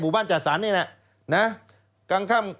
หมู่บ้านจัดสรรเนี่ยนะ